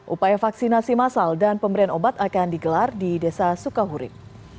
upaya vaksinasi masal dan pemberian obat akan digelar di desa sukahurib